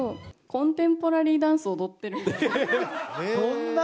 コンテンポラリーダンスを踊ってるような。